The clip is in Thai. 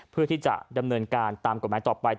เพื่อที่จะดำเนินการตามกฎหมายต่อไป